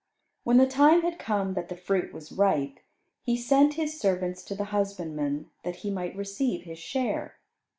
When the time had come that the fruit was ripe, he sent his servants to the husbandmen that he might receive his share.